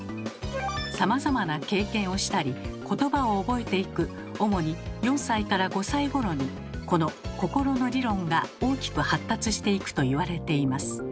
さまざまな経験をしたりことばを覚えていく主に４歳５歳ごろにこの心の理論が大きく発達していくといわれています。